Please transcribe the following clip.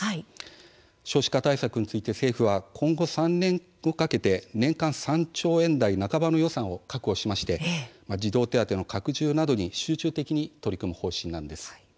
少子化対策について政府は今後３年をかけて年間３兆円台半ばの予算を確保し児童手当の拡充などに集中的に取り組む方針です。